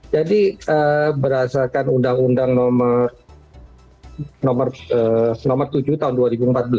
jadi berasakan undang undang nomor tujuh tahun dua ribu empat belas